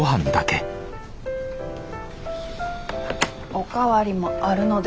お代わりもあるので。